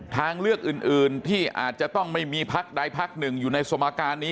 ทางเลือกอื่นที่อาจจะไม่มีภักด้ายภักด์หนึ่งอยู่ในสมการนี้